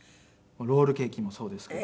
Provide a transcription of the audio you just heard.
ロールケーキもそうですけど。